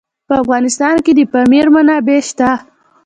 په افغانستان کې د پامیر منابع شته.